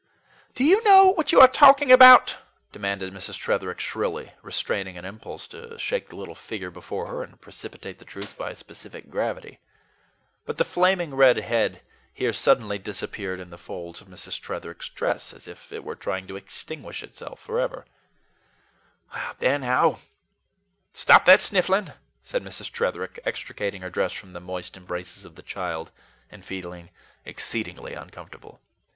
"Do you know what you are talking about?" demanded Mrs. Tretherick shrilly, restraining an impulse to shake the little figure before her and precipitate the truth by specific gravity. But the flaming red head here suddenly disappeared in the folds of Mrs. Tretherick's dress, as if it were trying to extinguish itself forever. "There now stop that sniffling," said Mrs. Tretherick, extricating her dress from the moist embraces of the child and feeling exceedingly uncomfortable.